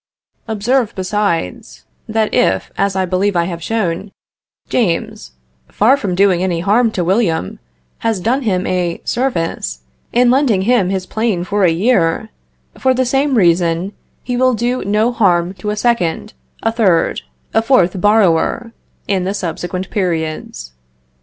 Observe, besides, that if, as I believe I have shown, James, far from doing any harm to William, has done him a service in lending him his plane for a year; for the same reason, he will do no harm to a second, a third, a fourth borrower, in the subsequent periods.